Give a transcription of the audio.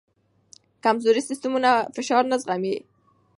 کمزوري سیستمونه فشار نه زغمي.